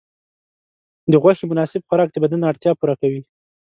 د غوښې مناسب خوراک د بدن اړتیاوې پوره کوي.